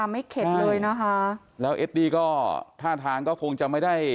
ไม่เข็ดเลยนะคะแล้วเอดดี้ก็ท่าทางก็คงจะไม่ได้